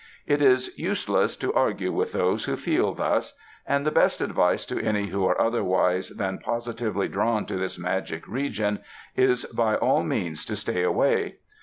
It is useless to argue with those who feel thus, and the best advice to any who are otherwise than positively drawn to this magic region, is by all means to stay away.